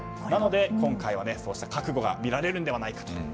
なので、今回はそうした覚悟が見られるのではないかと。